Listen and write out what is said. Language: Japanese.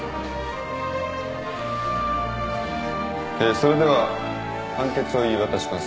それでは判決を言い渡します。